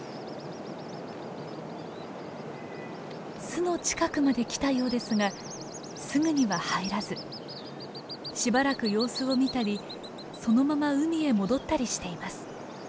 巣の近くまで来たようですがすぐには入らずしばらく様子を見たりそのまま海へ戻ったりしています。